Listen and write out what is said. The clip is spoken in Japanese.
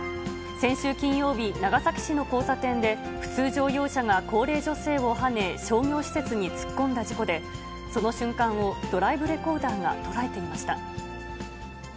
先週金曜日、長崎市の交差点で、普通乗用車が高齢女性をはね、商業施設に突っ込んだ事故で、その瞬間をドライブレコーダーが捉えていました。